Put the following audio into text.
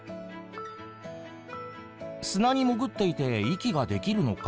「砂に潜っていて息ができるのか？」